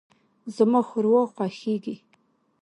زما ښوروا خوښیږي.